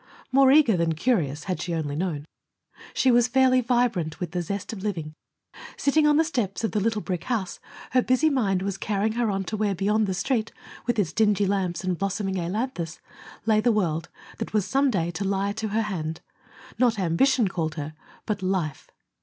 More eager than curious, had she only known. She was fairly vibrant with the zest of living. Sitting on the steps of the little brick house, her busy mind was carrying her on to where, beyond the Street, with its dingy lamps and blossoming ailanthus, lay the world that was some day to lie to her hand. Not ambition called her, but life.